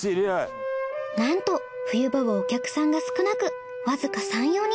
なんと冬場はお客さんが少なくわずか３４人。